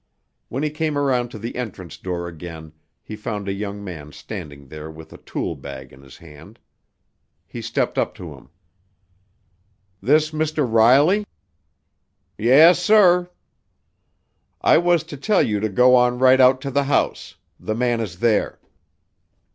When he came around to the entrance door again he found a young man standing there with a tool bag in his hand. He stepped up to him. "This Mr. Riley?" "Yes, sir." "I was to tell you to go on right out to the house. The man is there."